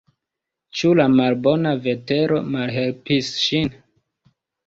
Ĉu la malbona vetero malhelpis ŝin?